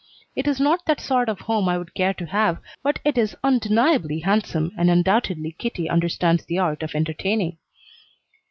It is not the sort of home I would care to have, but it is undeniably handsome, and undoubtedly Kitty understands the art of entertaining.